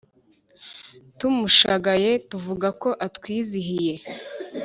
Tumushagaye, tuvuga ko atwizihiye